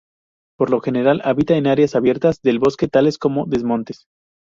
Por lo general habita en áreas abiertas del bosque, tales como desmontes.